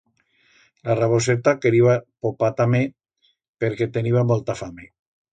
La raboseta queriba popar tamé, perque teniba molta fame.